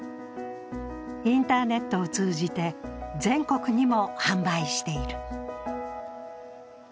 インターネットを通じて、全国にも販売している。